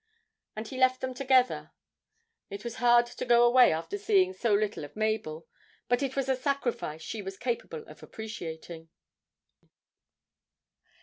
And he left them together. It was hard to go away after seeing so little of Mabel, but it was a sacrifice she was capable of appreciating.